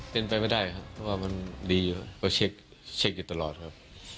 เป็นไปไม่ได้ครับเพราะว่ามันดีอยู่ก็เช็คอยู่ตลอดครับ